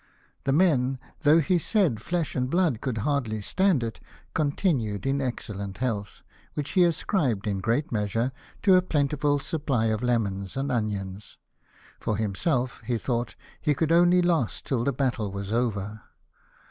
The men, though he said flesh and blood could hardly stand it, continued in excellent health, which he ascribed, in great measure, to a plentifid supply of lemons and onions. For himself, he thought he could only last till the battle was over.